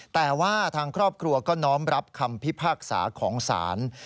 แต่ว่าทางครอบครัวก็น้อมรับคำพิพากษาของศาล